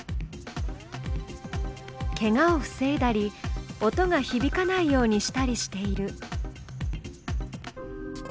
ケガを防いだり音がひびかないようにしたりしている。